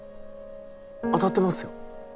当たってますよ。